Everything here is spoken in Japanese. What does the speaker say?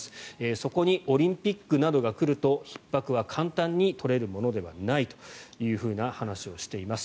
そこにオリンピックなどが来るとひっ迫は簡単に取れるものではないという話をしています。